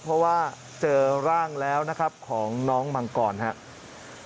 เพราะว่าเจอร่างแล้วนะครับของน้องมังกรครับ